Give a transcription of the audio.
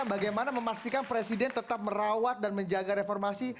bagaimana memastikan presiden tetap merawat dan menjaga reformasi